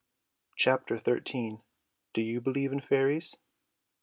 Chapter XIII. DO YOU BELIEVE IN FAIRIES?